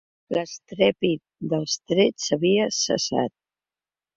L'estrèpit dels trets havia cessat